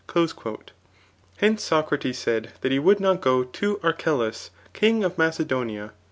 '* Hence Socrates said that he would not go to Archelaus [king of Macedonia.